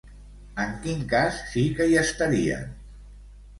En quin cas sí que hi estarien?